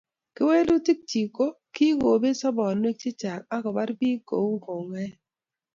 Kewelutikchi ko:kikobet sobonwek chechang akobar bik kou ngokaik